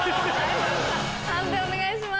判定お願いします。